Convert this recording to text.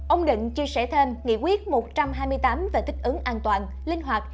ông định chia sẻ thêm nghị quyết một trăm hai mươi tám về thích ứng an toàn linh hoạt